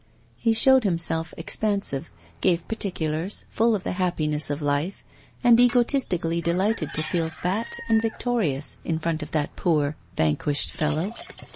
He showed himself expansive, gave particulars, full of the happiness of life, and egotistically delighted to feel fat and victorious in front of that poor vanquished fellow.